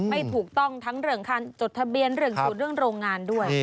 ไม่ถูกต้องทั้งเรื่องการจดทะเบียนเรื่องสูตรเรื่องโรงงานด้วย